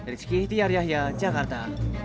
rizky tiaryahya jakarta